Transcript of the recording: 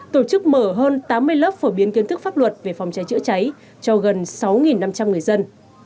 tổ chức mở hơn tám mươi lớp phổ biến kiến thức pháp luật về phòng cháy chữa cháy cho gần sáu năm trăm linh người dân